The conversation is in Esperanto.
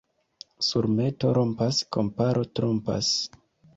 Surmeto rompas, komparo trompas.